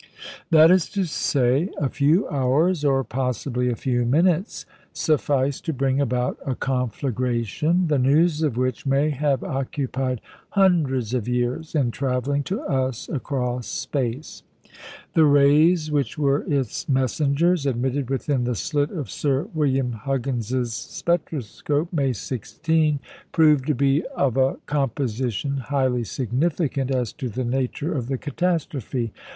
That is to say, a few hours, or possibly a few minutes, sufficed to bring about a conflagration, the news of which may have occupied hundreds of years in travelling to us across space. The rays which were its messengers, admitted within the slit of Sir William Huggins's spectroscope, May 16, proved to be of a composition highly significant as to the nature of the catastrophe.